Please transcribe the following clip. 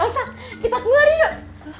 elsa kita keluar yuk